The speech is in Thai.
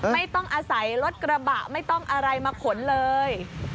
ไม่ต้องอาศัยรถกระบะไม่ต้องอะไรมาขนเลย